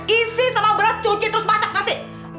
isi sama beras cuci terus macek nasi